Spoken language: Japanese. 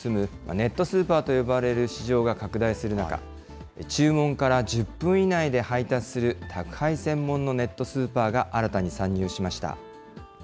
ネットスーパーと呼ばれる市場が拡大する中、注文から１０分以内で配達する宅配専門のネットスーパーが新たに参入しました。